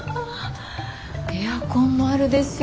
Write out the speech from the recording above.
エアコンもあるでしょ。